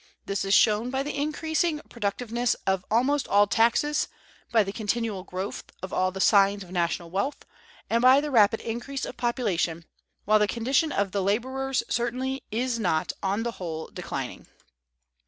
This is shown by the increasing productiveness of almost all taxes, by the continual growth of all the signs of national wealth, and by the rapid increase of population, while the condition of the laborers certainly is not on the whole declining.